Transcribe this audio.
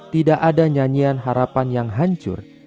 tidak ada nyanyian harapan yang hancur